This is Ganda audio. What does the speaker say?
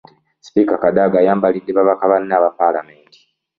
Sipiika Kadaga ayambalidde babaka banne aba paalamenti.